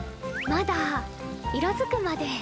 まだ。色づくまで。